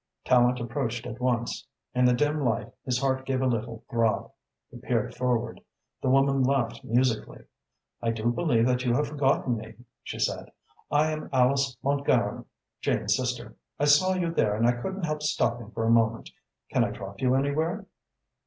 Tallente approached at once. In the dim light his heart gave a little throb. He peered forward. The woman laughed musically. "I do believe that you have forgotten me," she said, "I am Alice Mountgarron Jane's sister. I saw you there and I couldn't help stopping for a moment. Can I drop you anywhere?"